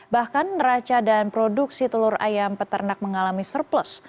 bahkan neraca dan produksi telur ayam peternak mengalami surplus